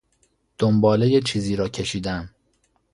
دنباله چیزی را کشیدن